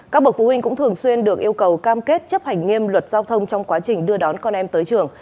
các bậc phụ huynh cũng thường xuyên được yêu cầu cam kết chấp hành nghiêm luật giao thông trong quá trình đưa đón con em tới trường